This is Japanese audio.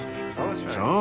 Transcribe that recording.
そう！